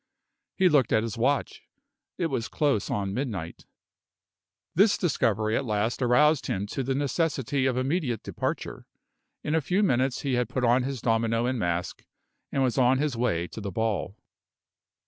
He looked at his watch. It was close on midnight. This discovery at last aroused him to the necessity of immediate departure. In a few minutes he had put on his domino and mask, and was on his way to the ball.